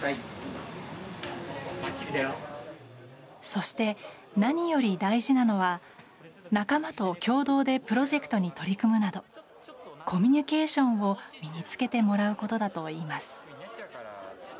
そして、何より大事なのは仲間と共同でプロジェクトに取り組むなどコミュニケーションを身に着けてもらうことだといいます。